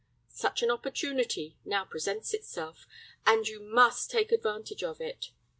Such an opportunity now presents itself, and you must take advantage of it.